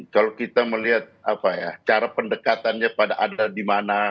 kalau kita melihat cara pendekatannya pada ada di mana